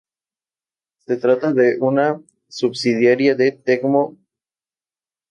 Se trata de una subsidiaria de Tecmo, Ltd.